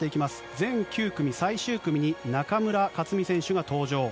全９組、最終組に中村克選手が登場。